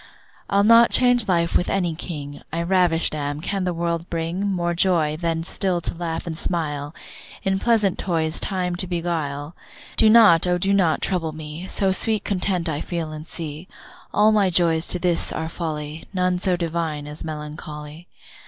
I'll not change life with any king, I ravisht am: can the world bring More joy, than still to laugh and smile, In pleasant toys time to beguile? Do not, O do not trouble me, So sweet content I feel and see. All my joys to this are folly, None so divine as melancholy.